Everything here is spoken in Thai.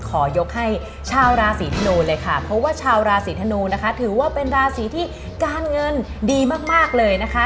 ขอยกให้ชาวราศีธนูเลยค่ะเพราะว่าชาวราศีธนูนะคะถือว่าเป็นราศีที่การเงินดีมากเลยนะคะ